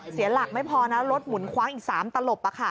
เสียหลักไม่พอนะรถหมุนคว้างอีก๓ตลบ